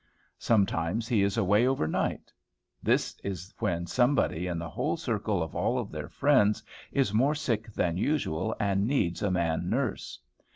Sometimes he is away over night. This is when somebody in the whole circle of all their friends is more sick than usual, and needs a man nurse.